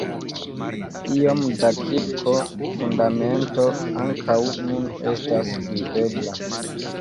Iom da kirko-fundamento ankaŭ nun estas videbla.